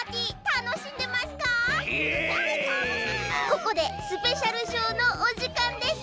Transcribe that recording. ここでスペシャルショーのおじかんです。